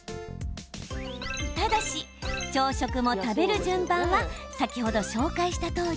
ただし、朝食も食べる順番は先ほど紹介したとおり。